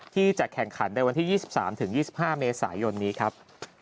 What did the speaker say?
ที่จะแข่งขันในวันที่๒๓๒๕เมษายนนี้ครับ